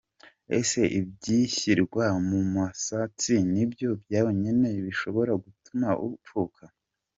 Ese ibishyirwa mu musatsi ni byo byonyine bishobora gutuma upfuka?.